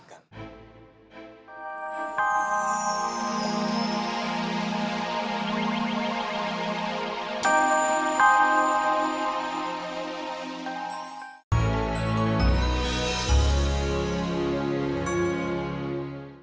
kau tidak bisa menembus ke rumah kheratus